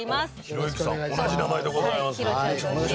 同じ名前でございます。